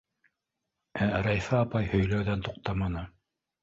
Ә Рәйфә апай һөйләүҙән туҡтаманы: